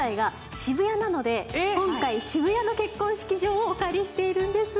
今回渋谷の結婚式場をお借りしているんです。